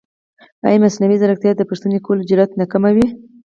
ایا مصنوعي ځیرکتیا د پوښتنې کولو جرئت نه کموي؟